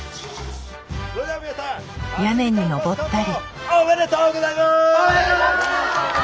屋根にのぼったり。